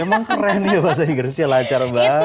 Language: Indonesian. emang keren ya bahasa inggrisnya lancar banget